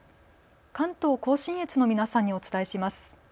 関東甲信越の皆さんにお伝えします。